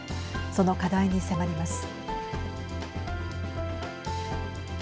その課題に迫ります。